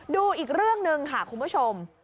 ดูอีกเรื่องหนึ่งค่ะคุณผู้ชม